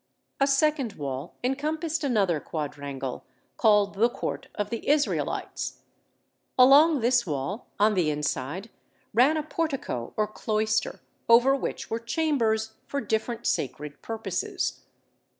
A second wall encompassed another quadrangle, called the court of the Israelites. Along this wall, on the inside, ran a portico or cloister, over which were chambers for different sacred purposes.